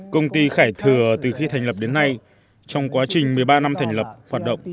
công ty khải thừa từ khi thành lập đến nay trong quá trình một mươi ba năm thành lập hoạt động